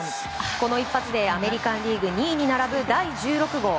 この一発でアメリカン・リーグ２位に並ぶ第１６号。